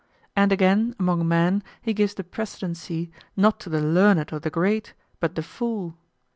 And again, among men he gives the precedency not to the learned or the great, but the fool.